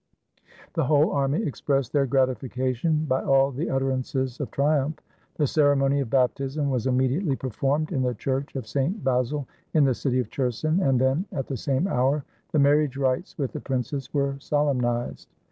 The whole army expressed their gratification by all the utterances of triumph. The cere mony of baptism was immediately performed in the church of St. Basil, in the city of Cherson, and then, at the same hour, the marriage rites with the princess were solemnized.